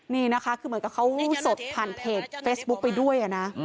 นี่นะคะคือเหมือนกับเขาสดผ่านเพจเฟซบุ๊คไปด้วยนะ